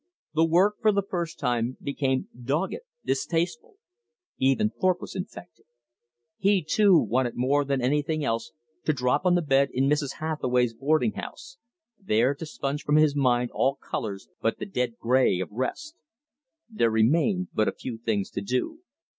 The work for the first time became dogged, distasteful. Even Thorpe was infected. He, too, wanted more than anything else to drop on the bed in Mrs. Hathaway's boarding house, there to sponge from his mind all colors but the dead gray of rest. There remained but a few things to do.